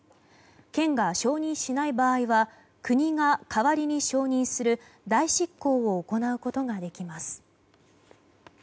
県が承認しない場合は国が代わりに承認する代執行を行うことができます。